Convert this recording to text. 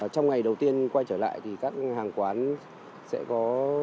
trong ngày đầu tiên quay trở lại thì các hàng quán sẽ có